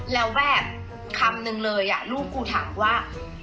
แล้วแบบคำนึงเลยลูกกูถามว่า